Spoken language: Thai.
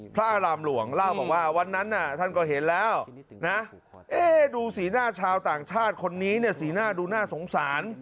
พระอารามหลวงวันนั้นท่านก็เห็นแล้วดูสีหน้าชาวต่างชาติคนนี้สีหน้าดูน่าสงสาร